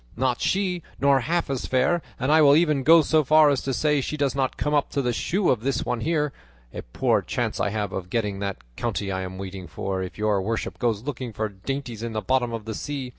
Not she; nor half as fair; and I will even go so far as to say she does not come up to the shoe of this one here. A poor chance I have of getting that county I am waiting for if your worship goes looking for dainties in the bottom of the sea.